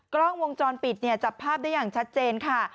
กล้องวงจรปิดเนี่ยจับภาพได้อย่างชัดเจนค่ะ